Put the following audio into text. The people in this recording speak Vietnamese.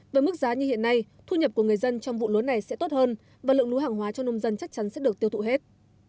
với mức giá như hiện nay thu nhập của người dân trong vụ lúa này sẽ tốt hơn và lượng lúa hàng hóa cho nông dân chắc chắn sẽ được tiêu thụ hết